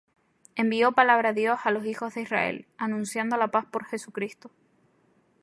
Envió palabra Dios á los hijos de Israel, anunciando la paz por Jesucristo;